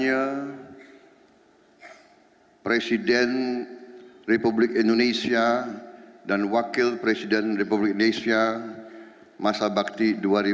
yang akan diadakan oleh presiden republik indonesia dan wakil presiden republik indonesia masa bakti dua ribu sembilan belas dua ribu dua puluh empat